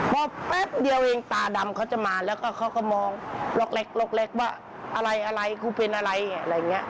ก็แป๊บเดียวเองตาดำเขาจะมาแล้วก็เขาก็มองล็อกเล็กว่าอะไรกูเป็นอะไร